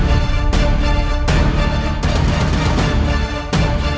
apakah kau akan masuk surga atau rak